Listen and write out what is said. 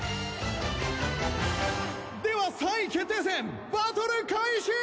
では３位決定戦バトル開始！